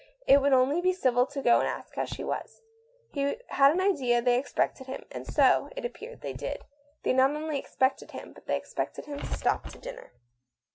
It would only be civil to go and ask how she was. He had an idea they expected him, and so, it transpired, they did. They not only expected him, but they expected him to stop to dinner.